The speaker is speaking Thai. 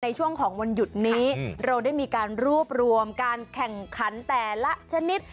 ในช่วงของวันหยุดนี้เราได้มีการรวบรวมการแข่งขันแต่ละชนิด